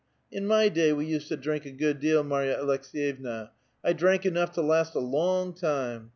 in my day we used to drink a good deal, Marya Aleks^yevna. I drank enough to last a long time.